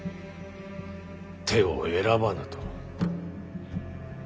手を選ばぬと。